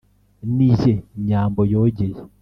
Ni jye Nyambo yogeye.